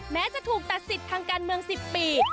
แม้จะถูกตัดสิทธิ์ทางการเมือง๑๐ปี